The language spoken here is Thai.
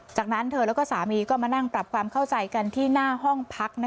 จากนั้นเธอแล้วก็สามีก็มานั่งปรับความเข้าใจกันที่หน้าห้องพัก